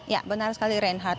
ya benar sekali reinhardt